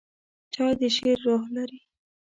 چای د شعر روح لري.